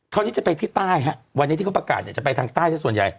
เท่านี้จะไปที่ใต้วันนี้ที่เขาประกาศจะไปทางใต้ส่วนใหญ่